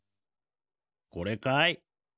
これかい？